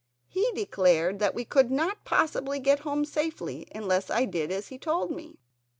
He declared that we could not possibly get home safely unless I did as he told me."